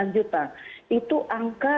sembilan juta itu angka